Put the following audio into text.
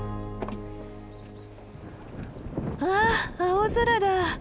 わあ青空だ。